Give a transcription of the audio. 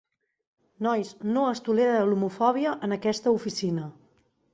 Nois, no es tolera l'homofòbia en aquesta oficina.